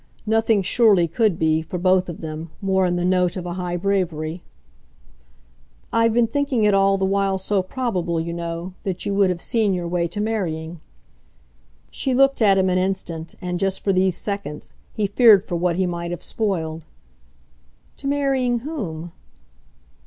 Nothing surely could be, for both of them, more in the note of a high bravery. "I've been thinking it all the while so probable, you know, that you would have seen your way to marrying." She looked at him an instant, and, just for these seconds, he feared for what he might have spoiled. "To marrying whom?"